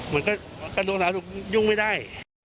มันก็ยุ่งไม่ได้